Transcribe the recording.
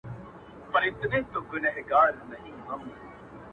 ژوند مي د هوا په لاس کي وليدی.